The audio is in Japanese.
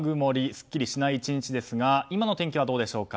すっきりしない１日ですが今の天気はどうでしょうか。